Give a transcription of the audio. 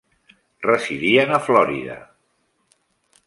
Residien a Florida.